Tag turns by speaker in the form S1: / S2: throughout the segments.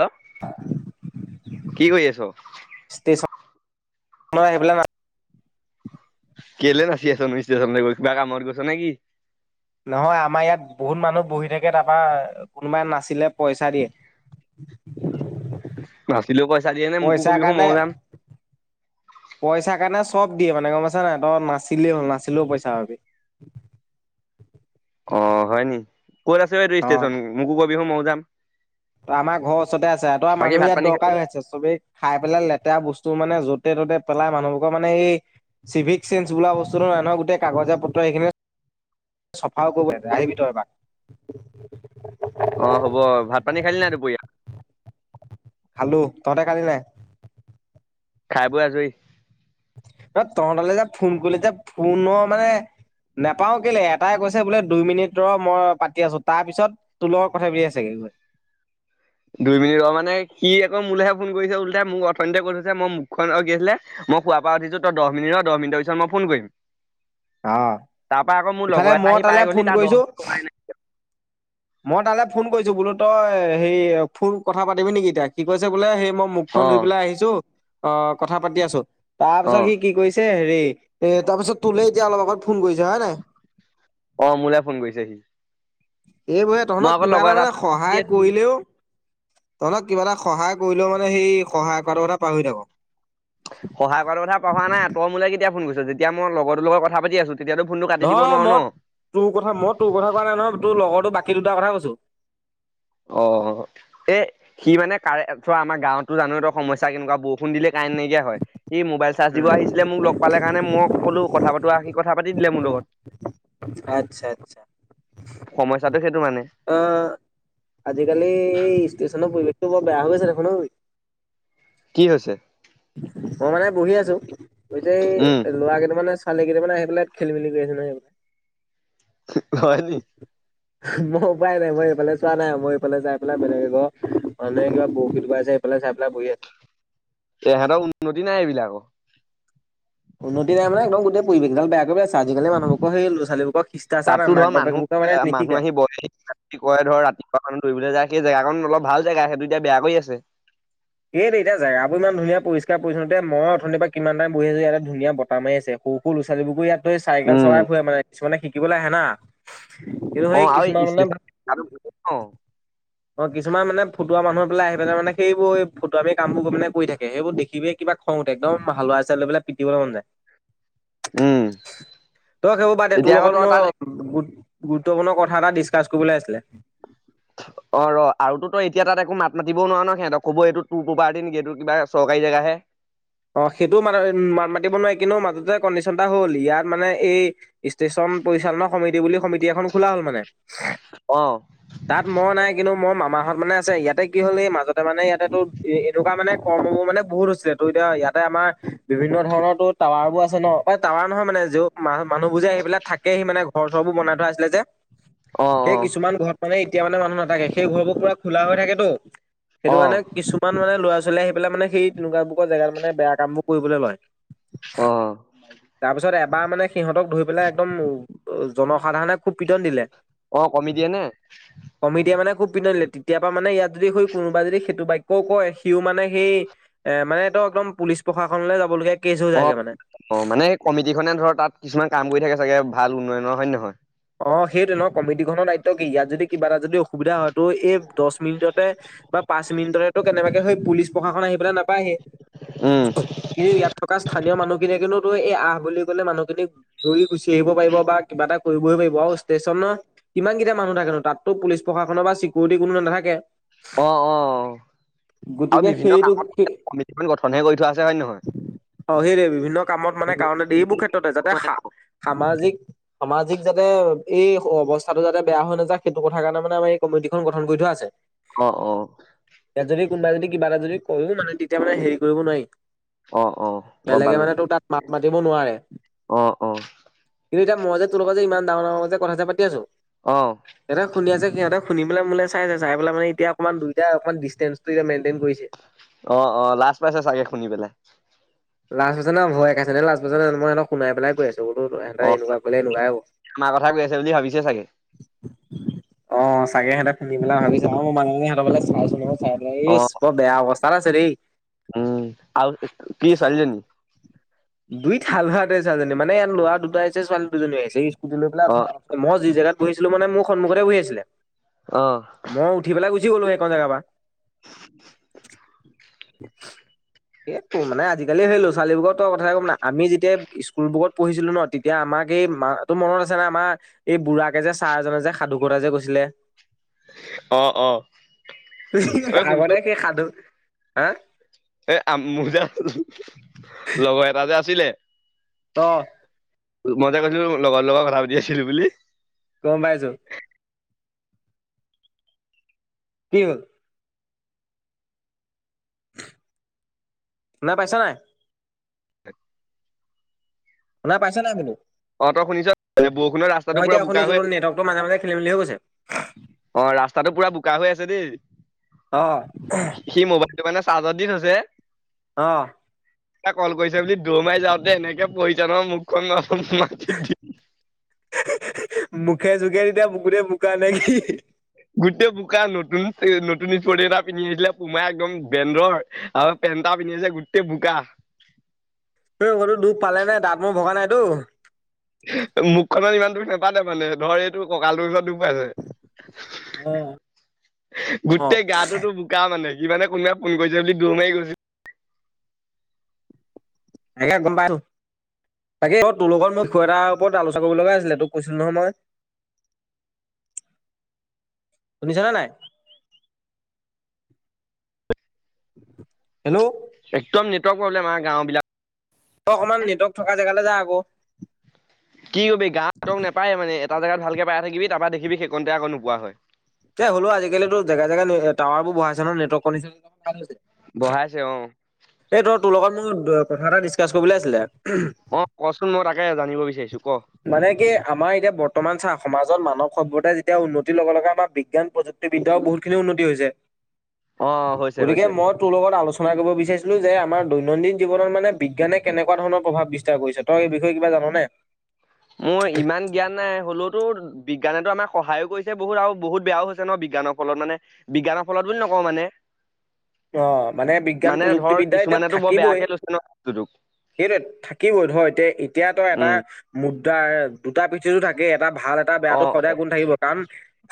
S1: হেল কি কৰি আছ
S2: আহ পেলাই ন
S1: কেলে না চি আছ ম ষ্টচন গৈ কিবা কামত গৈছ নে কিি
S2: নহয় আমাৰ ইয়াত বহুত মানুহ বহি থাকে তাৰপা কোনোবাই নাছিলে পইচা দিয়ে
S1: বছ িলো পইচা দিয়ে নে মোকো
S2: পইচাৰ
S1: কবি শ
S2: কাৰণে
S1: ময় যাম
S2: পইচাৰ কাৰণে চব দিয়ে মানে গম পাইছা নাই। তই নাছিলেই হ'ল নাছিলেও পইচা পাবি।
S1: অ' হয় নি? ক'ত আছে ষ্টেশচন মোকো কবি চন মইও যাম।
S2: ত আমাৰ ঘৰৰ ওচৰতে আছে। আৰু তো আৰু
S1: বাকী
S2: মানুহ
S1: ভাত
S2: ইয়াত
S1: পানী খালি
S2: দৰকাৰ
S1: নে?
S2: হৈ আছে। চবেই খাই পেলাই লেতেৰা বস্তু মানে য'তে ত'তে পেলাই মানুহবোৰৰ, মানে এই চিভিক চেঞ্চ বল বস্তুটো নাই। গোটেই কাগজ পত্ৰ সখিন চফাও কৰিব ল আহিবি তই এবাক [unintelligible]
S1: অ হ'ব। ভাত পানী খালি নে নাই দুপৰীয়া?
S2: খালো। তহঁতে খালী নে নাই?
S1: খাই বই আজৰি,
S2: ন তহঁতলে যে ফোন কৰিলে যে ফোন মানে নোপাও কেলে? এটাই কৈছে বোলে দুই মিনিট ৰ মই পাতি আছো, তাৰ পিছত তুৰ লগত কথা পাতি আছে চাগে গৈ।
S1: [unintelligible] দুই মিনিট ৰ মানে, সি আকৌ মোলেহে ফোন কৰিছে ওলোটা, মোক অথনীতে কৈ থৈছে মই মুখখন অ কি আছিল? মই শুৱ পৰা উঠিছোঁ। তই দহ মিনি ৰ, দহ মিনিটৰ পিছত মই ফোন কৰিম।
S2: অ
S1: তাৰ পৰা আকৌ মোৰ
S2: ইফালে
S1: লগৰ এটা
S2: মই
S1: আহি
S2: তালে
S1: পাই
S2: ফোন
S1: গলহি, তাৰ দ
S2: কৰিছো
S1: কমাই নাই
S2: মই তালে ফোন কৰিছো, বোলো তই হে ফোন কথা পাতিবি নেকি এতিয়া? সি কৈছে বোলে সেই মই মুখখন ধুই
S1: অ'
S2: পেলাই আহিছো। অ, কথা পাতি আছো। তাৰ পিছত
S1: অ'
S2: সি কি কৰিছে এ তাৰপিছত তোলে এতিয়া অলপ আগত ফোন কৰিছে। হয় নে নাই?
S1: অ মোলে ফোন কৰিছেহি।
S2: এইবোৰে, তহঁতক কিবা এটা মানে সহায়
S1: এটা
S2: কৰিলেও তহঁক কিবা এটা সহায় কৰিলেও, মানে সেই সহায় কৰাটোৰ কথা পাহৰি থাকো।
S1: সহায় কৰাৰ কথা পঢ়া নাই। তই মোলে কেতিয়া ফোন কৰিছ, যেতিয়া মই লগৰ তৰ লগত কথা পাতি আছো। তেতিয়াতো ফোনটো কাটি দিব
S2: নহয়
S1: নোৱাৰো ন
S2: মই, তোৰ কথা মই তোৰ কথা কোৱা নাই নহয় তোৰ লগৰটো বাক কি দুটাৰ কথা কৈছো।
S1: অ', এ সি মানে কাৰে, চোৱা আমাৰ গাঁৱতটো জানয়ে তই সমস্যা কেনেকুৱা বৰষুণ দিলে কাৰেণ্ট নাইকিয়া হয়, সি মোবাইল চাৰ্জ দিব
S2: উম,
S1: আহিছিলে মোক লগ পালে কাৰণে মই ক'লো কথা পাতোঁ আহ, সি কথা পাতি দিলে মোৰ লগত।
S2: আচ্ছা আচ্ছা
S1: সমস্যাটো সেইটো মানে।
S2: অ। আজিকালি এই ষ্টেশচনৰ পৰিৱেশটো বৰ বেয়া হৈ গৈছে দেখোন। ঐ!
S1: কি হৈছে?
S2: মই মানে বহি আছো, ইয়াতে
S1: উম
S2: এই লৰা কেইটামানে ছোৱালীকেইটামান মানে আহি পেলাইত খেল মেলি কৰি আছে নহয়।
S1: হয় নি?
S2: মই উপায় নাই। মই এইফালে চোৱা নাই, মই এইফালে চাই পেলাই বেলেগ এঘৰ মানুহে কিবা বৰশী টুপাইছে ফালে চাই পেলাই বহি আছো।
S1: তেহঁতৰ উন্নতি নাই এইবিলাকৰ।
S2: উন্নতি নাই মানে একদম [unintelligible] আজিকালি মানুহবোকৰ সেই লৰা ছোৱালীবোৰৰ শিষ্টাচাৰ
S1: তাতো
S2: নাই মাক
S1: ধৰ মানুহ
S2: বাপেবোকে মানে
S1: মানুহ
S2: নিশিকায়।
S1: আহি বহেহি [inaudible] মানুহ দৌৰিবলৈ যায় সেই জেগাখন অলপ ভাল জেগা, সেইটো এতিয়া বেয়া কৰি আছে।
S2: এই দেই এতিয়া জেগাবোৰ ইমান ধূনীয়া পৰিষ্কাৰ পৰিচ্ছন্নতা, মই অথনিৰ পৰা কিমান টাইম বহি আছো ইয়াতে ধুনীয়া বতাহ মাৰি আছে। সৰু-সৰু ছোৱালীবোকো ইয়াত এই চাইকেল
S1: উম
S2: চলাই ফুৰে, মানে কিছুমানে শিকিবলে আহে না। কিন্তু
S1: অ
S2: সেই কিছুমান
S1: আৰু
S2: মানে,
S1: ষ্টেচন অ',
S2: অ', কিছুমান মানে ফুটুৱা মানুহ বোলে আহি পেলাই মানে সেইবোৰ এ ফটুৱামি কামবোৰ মানে কৰি থাকে, সেইবোৰ দেখিবিয়ে কিবা খং উঠতে। একদম হালোৱা এচাৰি লৈ পেলাই পিটিবলে মন যায়।
S1: উম
S2: তই সেইবোৰ বাদ দে, তোৰ
S1: এতিয়া আকৌ
S2: লগত
S1: তই
S2: মই
S1: তাত
S2: গোট-গোট গুৰুত্বপূৰ্ণ কথা এটা ডিচকাচছ কৰিবলৈ আছিলে।
S1: [unintelligible] অ', ৰ আৰু তো তই এতিয়া তাত একো মাত মাতিব নোৱাৰ ন। সিহতক ক'ব এইটো তোৰ প্ৰপাৰটি নেকি, এইটো কিবা চৰকাৰী জেগাহে।
S2: অ', সেইটোও মাত-মাত মাতিব নোৱাৰি। কিন্তু মাজতে কণ্ডিচন এটা হ'ল। ইয়াত মানে এই ষ্টেচন পৰিচালনা সমিতি বুলি সমিতি এখন খোলা হ'ল মানে।
S1: অ
S2: তাত মই নাই। কিন্তু মোৰ মামাহঁত মানে আছে। ইয়াতে কি হ'ল এই মাজ যতে মানে ইয়াতে তো এনেকুৱা মানে কৰ্মবোৰ মানে বহুত হৈছিলে টো অ' ইয়াতে আমাৰ বিভিন্ন ধৰণৰ তো টাৱাৰ বোৰ আছে ন টাৱাৰ নহয় মানে য মান মানুহবোৰ যে সেইবিলাক থাকেহি মানে ঘৰ চৰবোৰ বনাই থোৱা আছিলে যে,
S1: অ অ
S2: সেই কিছুমান ঘৰত মানে এ এতিয়া মানে মানুহ নাথাকে, সেই ঘৰবোৰ পুৰা খোলা হৈ থাকে তো, সেইটো
S1: অ
S2: কাৰণে কিছুমান মানে ল'ৰা ছোৱালী আহি পেলাই মানে সেই তেনেকুৱা বোকৰ জেগাত মানে বেয়া কামবোৰ কৰিবলৈ লয়।
S1: অ'।
S2: তাৰপিছত এবাৰ মানে সিহঁতক ধৰি পেলাই একদম জনসাধাৰণে খুব পিটন দিলে।
S1: অ', কমিটিয়ে নে?
S2: পিতন দিলে, তেতিয়াপা মানে ইয়াত যদি সৈ কোনোবা যদি সেইটো বাক্যও কয় সিও মানে, সেই এ মানে একদম-একদম পুলিচ প্ৰশাসনলৈ যাবলগীয়া কেছ হৈ যায়গে
S1: অ',
S2: মানে।
S1: অ', মানে কমিটি খনে ধৰ তাত কিছুমান কাম কৰি থাকে চাগে ভাল উন্নয়নৰ হয় নে নহয়?
S2: অ', সেইটোৱে ন কমিটি খনৰ দায়িত্ব কি ইয়াত যদি কিবা এটা যদি অসুবিধা হয়, তোৰ এই দশ মিনিটতে বা পাঁচ মিনিটতেটো কেনেবাকে সৈ পুলিচ প্ৰশাসন আহি বোলে নাপায়হে,
S1: উম
S2: কিন্তু ইয়াত থকা স্থানীয় মানুহখিনিয়ে কিন্তু এই আহ বুলি ক'লে মানুহখিনিক দৌৰি গুচি আহিব পাৰিব বা কিবা এটা কৰিবহি পাৰিব, আৰু ষ্টেচনৰ কিমানকেইটা মানুহ থাকেনো তাটতো পুলিচ প্ৰশাসনৰ বা চিকিউৰিটি কোনো নাথাকে।
S1: অ', অ। আৰু
S2: গতিকে
S1: বিভিন্ন
S2: সেইটো
S1: কামত কমিটিখন গঠনহে কৰি থোৱা আছে হয়ন নহয়?
S2: অ', সেইটোৱে বিভিন্ন কামত মানে কাৰণত এইবোৰ ক্ষেত্ৰতে যাতে সামাজিক সমা সামাজিক যাতে এই অৱস্থাতো যাতে বেয়া হৈ নাযায় সেইটো কথা কাৰণে মানে আমাৰ এই কমিটিখনন গঠন কৰি থোৱা আছে।
S1: অ', অ।
S2: কোনোবা যদি কিবা এটা যদি কৰো মানে তেতিয়া মানে হেৰি কৰিব নোৱাৰি।
S1: অ অ গম
S2: বেলেগে
S1: পালো
S2: মানে তো তাত মাত মাতিব নোৱাৰে।
S1: অ অ
S2: কিন্তু এতিয়া মই যে তোৰ লগ যে ইমান ডাঙৰ ডাঙৰ যে কথা পাতি আছো,
S1: অ
S2: এটা শুন আছে সিহঁতে শুনি পেল ম চাই চাই পেলাই মে এতিয়া অকমান দুইটা অকমান ডিচটেন্স মেইনটেইন কৰিছে।
S1: অ' অ' লাজ পাইছে চাগে শুনি পেলাই।
S2: লাজ বাজ ন ভয়ে আছে নে লাজ বাজ ন মইি কুনাইে লাই আছো সহঁতে
S1: অ
S2: এনেকুৱালে।
S1: আমাৰ কথা কৈ আছে বুলি ভাবিছে চাগে।
S2: অ' চাগে সহতে ফুধি পেলাই ভাবিছ আৰু মই মানুহ সিহঁতৰোলে চাই চোন।
S1: অ
S2: বৰ বেয়া অৱস্থাত আছে দেই।
S1: উম আৰু কি চাৰিল নি
S2: দুইত হাল ভাল চজনী মানে ইয়াৰ ল'ৰা দুটা আহছে ছোৱালী দুজনী আহিছে। কু লৈ পেল
S1: অ
S2: মই জি জেগাত বহিছিলো মানে মোৰ সন্মুতে বহি আছিলে।
S1: অ'।
S2: মই উঠি পেলাই গুচি গ'লো সখন জেগাৰ পৰা।
S1: [unintelligible]
S2: এইো মানে আজিকালি হলো ছোৱালীবোৰত কথ ক'ম ন আমি যেতিয়া স্কুল বুকত পঢ়িছিলো ন তেতিয়া আমাক এই ম তো মনত আছে নে আমাৰ এই বুঢ়াক কে যে ছাৰজনে যে সাধুকতা যে কৈছিলে
S1: অ', অ', এই
S2: আগতে সে সাধু হা
S1: এ আ মোৰ যে লগৰ এটা যে আছিলে
S2: অ'।
S1: মই যে কৈছিলো লগৰ লগত কথা পতি আছিলো বুলি
S2: গম পাইছো কি হল? নাই পাইছা নাই?
S1: [inaudible]
S2: শুনা নাই পাইছো নাই বোলো?
S1: অ', তই শুনিছ বৰষুণৰ ৰাস্তাটো
S2: অ'
S1: পুৰা
S2: এতিয়া
S1: বোকা
S2: শুনি
S1: হৈ
S2: যোৰত নেটৱৰ্কৰ মাজে মাজে খেলি মেলি হৈ কৈছে।
S1: অ' ৰাস্তাটো পুৰা বোকা হৈ আছে দেই।
S2: আহ।
S1: সি মোবাইলটো মানে চাৰ্জতদি থৈছে
S2: অহ।
S1: এটা কল কৰিছে বুলি দৌ মাৰি যাওঁতে এনেকে পয়িছে ন মুখখন ন [unintelligible]
S2: মুখে জোকে তেতিয়া বকোতে বোকা লাগি
S1: গোটেই বোকা নতুন নতুন স্পৰ্টিং এটা পিন্ধি আহিছিলে পুমাই একদম বেন্দৰ আৰু তেন্তা পিন্ধি যে গোটেই বোকা
S2: এই সতো দুখ পালে নাই দাঁত মোৰ ভগা নাইতো।
S1: নোপালে মানে ধৰ এইটো ককাল তটো ওচৰত
S2: অ',
S1: গোটেই গাটো তো বোকা মানে যি মানানে কোনোবাই ফোন কৰিছে বুলি দৌৰ মাৰি গৈছে।
S2: এাকে গোম্বাইল [unintelligible] তাকে আকৌ তোৰ লগত মই খ এটাৰ ওপৰত আলোচনা কৰিব লগা আছিলে তোক কৈছিলো নহয় মই।
S1: অ'।
S2: শুনিছানে নাই। হেল্ল'।
S1: একদম নেটৱৰ্ক প্ৰব্লেম আমাৰ গাঁওবিলাক
S2: অ', অকমান নেটৱৰ্ক থকা জেগালৈ যা আকৌ।
S1: কি কবি গাহঁতক নাপায়ে মানে এটা জেগাত ভালকে পাই থাকিবি তাৰপৰা দেখিবি সেইকণতে আকৌ নোপোৱা হয়।
S2: এ হ'লো আজিকালিটো জেগা জেগা টাৱাৰোৰ ব়াইছে নেৱৰ্ক
S1: বঢ়াইছে অ
S2: এই ত তোৰ লগত মোৰ কথা এটা ডিছকাছ কৰিবলৈ আছিলে।
S1: অ কচোন মই তাকে জানিব বিচাৰিছো ক
S2: মানে কি আমাৰ এতিয়া বৰ্তমান চা অসমত মাজত মানৱ সভ্যতা যেতিয়া উন্নতিৰ লগে আমাৰ বিজ্ঞান প্ৰযুক্তিবিদ্যাও বহুতখিনি উন্নতি হৈছে।
S1: অ হৈছে
S2: গতিকে
S1: হৈছে।
S2: মই তোৰ লগত আলোচনা কৰিব বিচাৰিছোঁ যে আমাৰ দৈনন্দিন জীৱনত মানে বিজ্ঞানে কেনেকুৱা ধৰণৰ প্ৰভাৱ বিস্তাৰ কৰিছে তই এই বিষয়ে কিবা জাননে?
S1: মোৰ ইমান জ্ঞান নাই হ'লেওতো বিজ্ঞান আমাকো সহায়ো কৰিছে বহুত আৰু বহুত বেয়াও হৈছে ন বিজ্ঞানৰ ফলত মানে বিজ্ঞানৰ ফলত বুলি নকওঁ মানে
S2: অ', মানে বিজ্ঞান
S1: মানে ধৰ
S2: প্ৰযুক্তিবিদ্যা এতিয়া
S1: কিছুমানেতো বৰ
S2: থাকিবই
S1: বেয়াকে লৈছে ন বস্তুটোক
S2: সেইটো থাকিবই ধ এ এতিয়াতো এটা
S1: উম
S2: মুদ দুটা দুটা পিঠিতো থাকে এটা ভাল এটা
S1: অ
S2: বেয়াটো সদায় গুণ থাকিব কাৰণ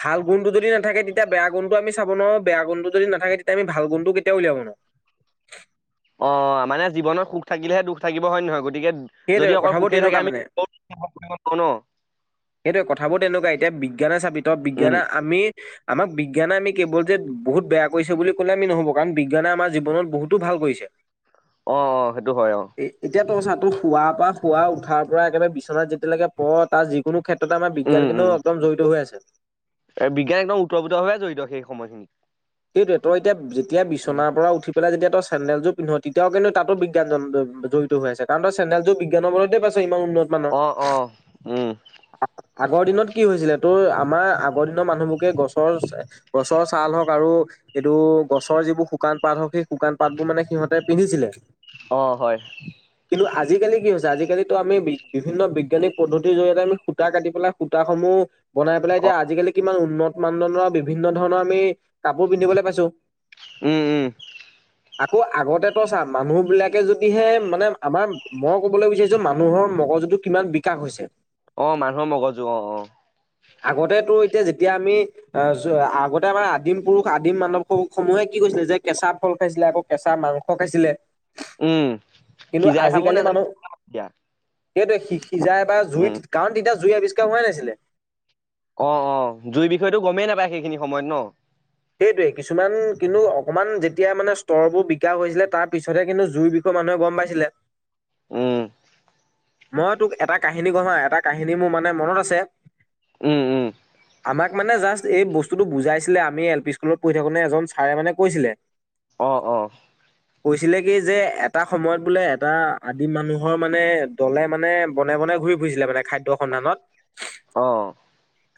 S2: ভাল গুণ যদি নাথাকে তেতিয়া বেয়া গুণটো আমি চাব নোৱাৰো বেয়া গুণটো যদি নথাকে তেতিয়া আমি ভাল গুণটো ত কেতিয়াও ওলাব নোৱাৰে।
S1: অ', মানে জীৱনত সুখ থাকিলেহে দুখ থাকিব হয় নহয় গতিকে যদি
S2: সেইটোৱে
S1: অকল সুখে থাকে আমি
S2: সেইটো কথাবোৰ তেনেকুৱা এতিয়া বিজ্ঞানে চাবিতয়
S1: উম
S2: বিজ্ঞানে আমি আমাক বিজ্ঞানে আমি কেৱল যে বহুত বেয়া কৰিছে বুলি ক'লে আমি নহ'ব, কাৰণ বিজ্ঞানে আমাৰ জীৱনত বহুতো ভাল কৰিছে।
S1: অ অ সেইটো হয়। অ
S2: পোৱাৰ পৰা শুৱ উঠাৰ পৰা একেবাৰে বিচনাত যেতিয়ালৈকে প তাৰ যিকোনো ক্ষেত্ৰত তে আমাৰ
S1: উম
S2: বিজ্ঞান
S1: উম
S2: কিন্তু একদম জড়িত হৈ আছে।
S1: এ বিজ্ঞান একদম উটোৰপুটো জড়িত সেই সময়খিনিত,
S2: তই এতিয়া যেতিয়া
S1: উম
S2: বিচনাৰ পৰা উঠি পেলাই যেতিয়া চেনেল যোৰ পিন্ধ। তেতিয়াও কিন্তু তাতো বিজ্ঞান জড়িত হৈ আছে, কাৰণ চেনেল যোৰ বিজ্ঞৰ বিজ্ঞানৰ উ মান
S1: অ অ
S2: [unintelligible]
S1: উম
S2: আগৰ দিনত কি হৈছিলে তোৰ আমাৰ আগৰ দিনৰ মানুহবোৰকে গছৰ গছৰ ছাল হওঁক আৰু এইটো গছৰ যিবোৰ শুকান পাত হওঁক সেই শুকান পাত বোৰ মানে সিহতে পিন্ধিছিলে।
S1: অ', হয়।
S2: কি আজিকালি কি হৈছে আজিকালিতো আমি বি বিভিন্ন বিজ্ঞানিক পদ্ধতিৰ জৰিয়তে আমি সূতা কাটি পেলাই সূতা সমূহ বনাই পেলাই
S1: অ
S2: এতিয়া আজিকালি কিমান উন্নত মানদণ্ডৰ বিভিন্ন ধৰণৰ আমি কাপোৰ পিন্ধিবলৈ পাইছো।
S1: উম উম
S2: আকৌ আগতে তো চা, মানুহ বিলাকে যদিহে মানে আমাৰ মই কবলৈ বিচাৰিছো মানুহৰ কগজুটো কিমান বিকাশ হৈছে,
S1: অ মানুহৰ মগজু অ অ।
S2: আগতে তো এতিয়া যেতিয়া আমি, আগতে আমাৰ আদিম পুৰুষ আদিম মানৱ সমূহে কি কৈছিলে যে, কেঁচা ফল খাইছিলে, আকৌ কেঁচা মাংস খাইছিলে।
S1: উম।
S2: কিন্তু
S1: সিজাই খাব নাযায়োতিয়া [unintelligible]
S2: সেইটো সি সিজাই বা জুইত, কাৰণ তেতিয়া জুই আৱিষ্কাৰ হোৱাই নাছিলে।
S1: অ অ জুই বিষয়টো গমেই নাপায় সেইখিনি সময়ত ন,
S2: সেইটয়ে কিছুমান কিন্তু অকনমান যেতিয়া মানে স্তৰবোৰ বিকা হৈছিলে, তাৰ পিছতহে কিন্তু জুই বিষয় মানুহে গম পাইছিলে,
S1: উম।
S2: মই তোক এটা কাহিনী কম হা, এটা কাহিনী মোৰ মানে মনত আছে,
S1: উম। উম।
S2: তাক মানে জাষ্ট এই বস্তুতটো বুজাইছিলে, আমি এল পি স্কুলত পঢ়ি থাকোতে এজন ছাৰে মানে কৈছিলে।
S1: অ অ
S2: কৈছিলে কি যে, এটা সময়ত বোলে এটা আদি মানুহৰ মানে দলে মানে বনে-বনে ঘূৰি ফুৰিছিলে মানে খাদ্যয় সন্ধানত।
S1: অ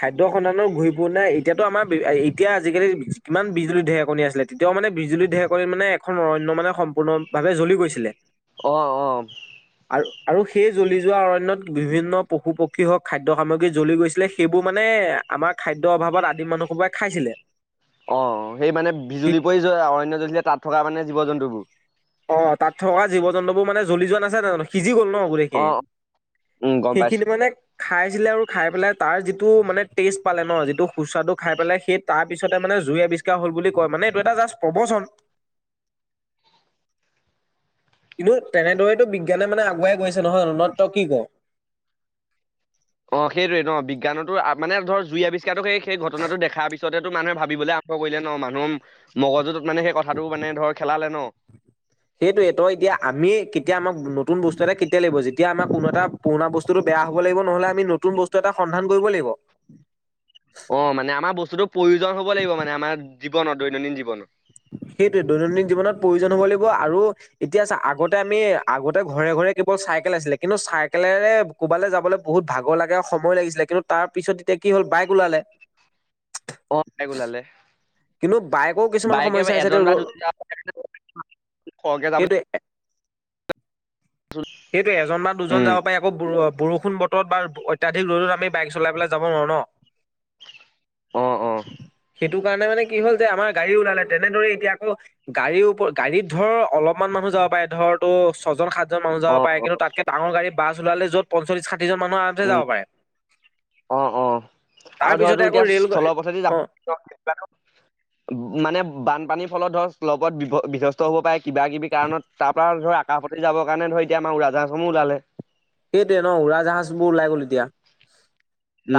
S2: খাদ্য সন্ধানৰ ঘূৰি ফুৰতে, এতিয়াতো আমাৰ এতিয়া আজিকালি কিমান বিজুলী ঢেৰেকনি আছিলে, তেতিয়াও আমাৰ মানে বিজুলী ধেৰেকণিত মানে এখন অৰণয় মানে সম্পূৰ্ণ ভাৱে জ্বলি গৈছিলে।
S1: অ অ
S2: আৰু আৰু সেই জ্বলি যোৱা অৰণয়ত বিভিন্ন পশু- পক্ষী হওক খাদ্যয় সামগ্ৰী জ্বলি গৈছিলে, সেইবোৰ মানে আমাৰ খাদ্য অভাৱত আদিম মানুহ সোপাই খাইছিলে।
S1: অ', সেই মানে বিজুলী
S2: তি-
S1: পৰি জ অৰণ্য জলিছিলে তাত থকা মানে জীৱ-জন্তুবোৰ,
S2: অ', তাত থকা জীৱ-জন্তু বোৰ মানে জ্বলি যোৱা নাছিল জানো সজি গ'ল ন'
S1: অ
S2: গোটেইখিনি,
S1: উম গম পাইছো
S2: সেইখিনি মানে খাই খাই পেলাই তাৰ যিটো মানে টেষ্ট পালে ন, যিটো সুস্বাদ্য খাই পেলাই সেই তাৰ পিছতে মানে জুয়ে আৱিষ্কাৰ হল বুলি কয়। মানে এইটো এটা জাষ্ট প্ৰবচন।
S1: [unintelligible]
S2: কিন্তু তেনেদৰেইতো বিজ্ঞানে মানে আগুৱাই গৈছে নহয়। নে ত‌ই কি ক‌ওঁ?
S1: অ', সেইটোয়ে ন' বিজ্ঞানৰতো মানে ধৰ জুই আৱিষ্কাৰটো সেই সেই ঘটনাটো দেখাৰ পিছত পিছতে ত' মানুহে ভাবিবলৈ আৰম্ভ কৰিলে ন, মানুহৰ মগজুত মানে সেই কথাটো মানে ধৰ খেলালে ন'।
S2: সেইটোয়ে, তই এতিয়া আমি কেতিয়া আমাক নতুন বস্তু এটা কেতিয়া লাগিব, যেতিয়া আমাৰ কোনো এটা পুৰণা বস্তুটো বেয়া হ'ব লাগিব। নহলে আমি নতুন বস্তু এটা সন্ধান কৰিব লাগিব।
S1: অ', মানে আমাৰ বস্তুটো প্ৰয়োজন হ'ব লাগিব মানে, আমাৰ জীৱনত দৈনন্দিন জীৱনত। [inaudible]
S2: সেইটোয়ে দৈনন্দিন জীৱনত প্ৰয়োজন হ'ব লাগিব আৰু এতিয়া চা আগতে আমি আগতে ঘৰে ঘৰে কেৱল চাইকেল আছিলে, কিন্তু চাইকেলেৰে কবালৈ যাবলৈ বহুত ভাগৰ লাগে বাইক ওলালে।
S1: [inaudible] বাইক ওলালে
S2: কিন্তু বাইকৰো কিছুমান
S1: বাইকে
S2: সমস্যা আছে
S1: এজন
S2: এতিয়া ৰ
S1: বা দুজন [inaudible] খৰকে যাবলে
S2: সেইটোৱে সেইটোয়ে এজন বা দুজন
S1: উম
S2: যাব পাৰি আকৌ বৰ বৰষুন বৰষুন বতৰত বা অত্যাধিক ৰ'দত আমি বাইক চলাই পেলাই যাব নোৱাৰো ন'।
S1: অ', অ'।
S2: সেইটো কাৰণে মানে কি হ'ল, যে আমাৰ গাড়ী ওলালে তেনেদৰে এতিয়া আকো গাড়ীৰ ওপৰত গাড়ীত ধৰ অলপমান মানুহ যাব পাৰে ধৰ তোৰ ছজন সাতজন, মানুহ যাব
S1: অ
S2: পাৰে।
S1: অ
S2: কিন্তু তাতকে ডাঙৰ গাড়ী বাছ ওলালে যত পঞ্চচল্লিছ ষাঠিজন মানহ আৰামচে যাব পাৰে।
S1: অঁ, অঁ।
S2: তাৰ
S1: আৰু ধৰ
S2: পিছতে
S1: তোৰ
S2: আকৌ
S1: এতিয়া
S2: ৰেল
S1: স্থল পথেদি
S2: অ
S1: যাম [inaudible] মানে বানপানীৰ ফলত ধৰ লগত বিভ বিধস্ত হব পাৰে, কিবা কিবি কাৰণত তাৰ পৰা ধৰ আকাশ পথেদি যাবৰ কাৰণে ধৰ এতিয়া আমা উৰা জাহাজ সমূহ ওলালে।
S2: সেইটোয়ে ন' উৰা জাহাজবো ওলাই গ'ল এতিয়া,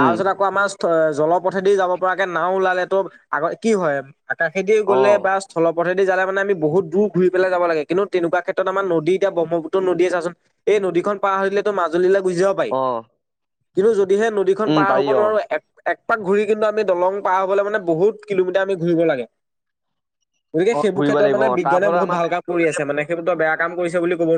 S1: উম
S2: আকৌ আমাৰ এই জলোপথেদি যাব পৰাকে নাওঁ ওলালে তো আগ কি হয় আকাশেদি গ'লে
S1: অ',
S2: বা স্থল'পথে যালে মানে আমি বহুত দূৰ ঘূৰি পেলাই যাব লাগে, কিন্তু তেনেকুৱা ক্ষেত্ৰত আমাৰ নদী এতিয়া ব্ৰহ্মপু্ত্ৰ নদীয়ে চাচোন, এই নদীখন পাৰ হৈ দিলে তই মাজুলীলে গুচি যাব পাৰি,
S1: অ',
S2: কিন্তু যদিহে নদীখন
S1: উম,
S2: পাৰ
S1: পাৰি
S2: হ'ব
S1: অ',
S2: নোৱাৰো এক এক পাক ঘূৰি কিন্তু আমি দলং পাৰ হ'বলে মানে বহুত কিলোমিটাৰ আমি ঘূৰিব লাগে। গতিকে
S1: অ',
S2: সেইবোৰ
S1: ঘূৰিব
S2: ক্ষেত্ৰত
S1: লাগিব
S2: মানে
S1: অ', তাৰ
S2: বিজ্ঞানে
S1: ফলত
S2: বহুত
S1: আমাৰ
S2: ভাল কাম কৰি আছে মানে, সেইবোৰত তই বেয়া কাম কৰিছে বুলি ক'ব